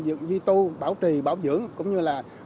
duy tu bảo trì bảo dưỡng cũng như